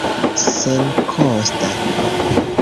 senkosta